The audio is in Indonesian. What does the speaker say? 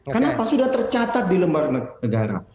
karena sudah tercatat di lembar negara